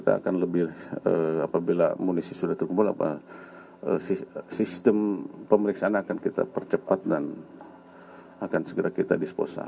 kita akan lebih apabila amunisi sudah terkumpul sistem pemeriksaan akan kita percepat dan akan segera kita disposal